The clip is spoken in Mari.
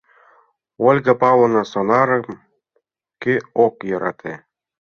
— Ольга Павловна, сонарым кӧ ок йӧрате?